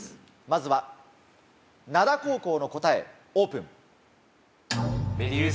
まずは灘高校の答えオープン。